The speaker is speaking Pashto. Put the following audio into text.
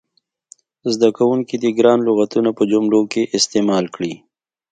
زده کوونکي دې ګران لغتونه په جملو کې استعمال کړي.